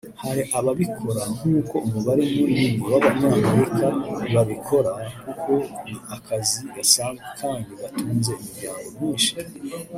Hari ababikora nkuko umubare munini w’Abanyamerika babikora kuko ni akazi gasanzwe kandi gatunze imiryango myinshi